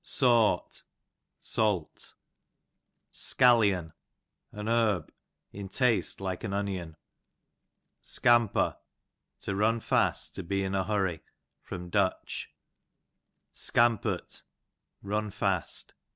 Sawt, salt. Scallion, an herb, in taste like onion. Scampo, to run fast, to be in a hurry. Du. Scampurt, run fast.